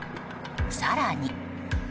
更に。